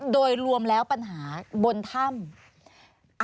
โดยรวมแล้วปัญหาบนถ้ำ